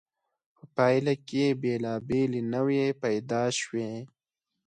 په پایله کې بېلابېلې نوعې پیدا شوې.